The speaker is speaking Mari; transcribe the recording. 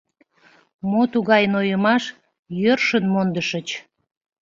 Мо тугай нойымаш — йӧршын мондышыч.